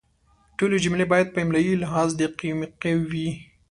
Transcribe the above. ټولې جملې باید په املایي لحاظ دقیقې وي.